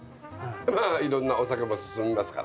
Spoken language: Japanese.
まあ色んなお酒も進みますから。